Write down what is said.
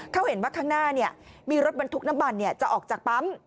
เขาเห็นว่าข้างหน้ามีรถบรรทุกน้ำมันจะออกจากปั๊ม